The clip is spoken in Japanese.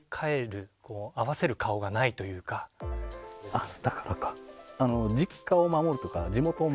あっだからか。